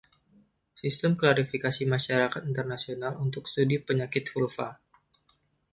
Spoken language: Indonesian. Sistem klasifikasi Masyarakat Internasional untuk Studi Penyakit Vulva.